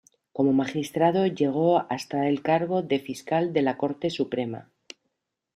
Como magistrado llegó hasta el cargo de Fiscal de la Corte Suprema.